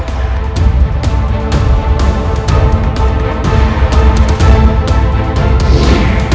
aku sudah terbaik dengan sua sa